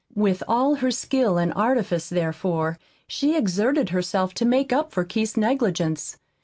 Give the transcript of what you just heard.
With all her skill and artifice, therefore, she exerted herself to make up for Keith's negligence.